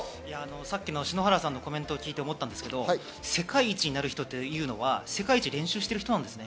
さっきの篠原さんのコメントを聞いて思ったんですけど、世界一になる人というのは世界一、練習してる人なんですね。